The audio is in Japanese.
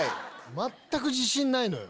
全く自信ないのよ。